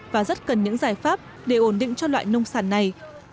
và rất cần những giải pháp để ổn định cho loại nông sản này